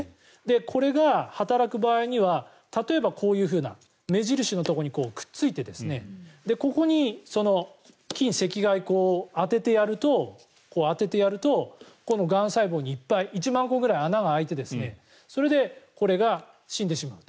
これが働く場合には例えば、こういう目印のところにくっついてここに近赤外光を当ててやるとがん細胞にいっぱい１万個ぐらい穴が開いてそれでこれが死んでしまうと。